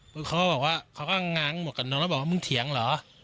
เขาก็บอกว่าเขาก็ง้างหมวกกับน้องแล้วบอกว่ามึงเถียงเหรอ